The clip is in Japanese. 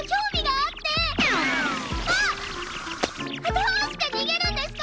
どうして逃げるんですか？